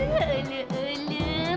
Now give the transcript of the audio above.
huu aluh aluh